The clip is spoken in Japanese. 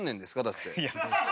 だって。